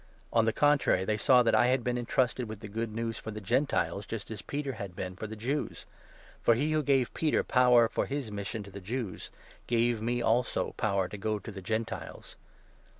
On the contrary, they saw that I had been entrusted with the 7 Good News for the Gentiles, just as Peter had been for the Jews. For he who gave Peter power for his mission to the 8 Jews gave me, also, power to go to the Gentiles.